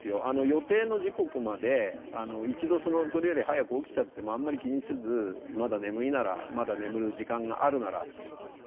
予定の時刻まで一度それより早く起きちゃってもあんまり気にせずまだ眠いならまだ眠る時間があるならぜひ寝て下さい。